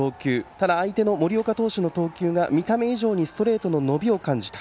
ただ相手の森岡投手の投球が見た目以上にストレートの伸びを感じた。